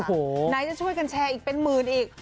ไหนจะช่วยกันแชร์อีกเป็นหมื่นอีก